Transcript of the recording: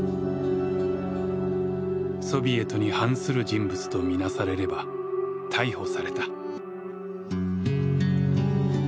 ソビエトに反する人物と見なされれば逮捕された。